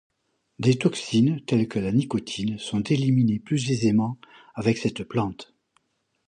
Des toxines telles que la nicotine sont éliminées plus aisément avec cette plante.